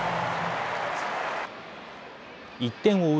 １点を追う